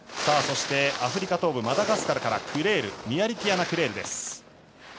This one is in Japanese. そしてアフリカ東部、マダガスカルからミアリティアナ・クレールです。